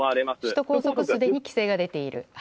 首都高速ですでに規制が出ていると。